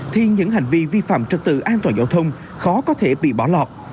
thì những hành vi vi phạm trật tự an toàn giao thông khó có thể bị bỏ lọt